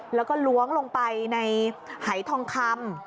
แล้วก็ล้วงลงไปในหายทองคำ